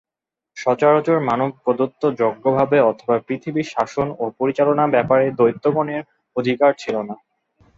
সচরাচর মানব-প্রদত্ত যজ্ঞভাগে অথবা পৃথিবীর শাসন ও পরিচালন-ব্যাপারে দৈত্যগণের অধিকার ছিল না।